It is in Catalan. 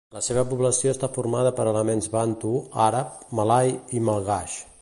La seva població està formada per elements bantu, àrab, malai i malgaix.